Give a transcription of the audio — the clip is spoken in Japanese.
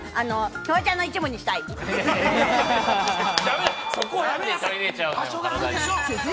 フワちゃんの一部にしたい。